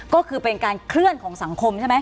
ก็คือเป็นการเคลื่อนของสังคมใช่ไหม